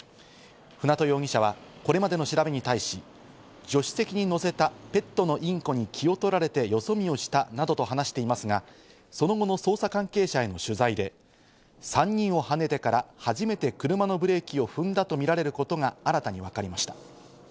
舟渡容疑者はこれまでの調べに対し、助手席に乗せたペットのインコに気を取られてよそ見をしたなどと話していますが、その後の捜査関係者への取材で、３人をはねてから初めて車のブレーキを踏んだとみられることが新たにわかりました。